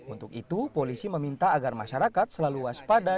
untuk itu polisi meminta agar masyarakat selalu waspada